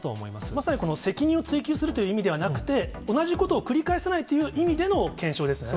まさに責任を追及するという意味ではなくて、同じことを繰り返さないという意味での検証ですね。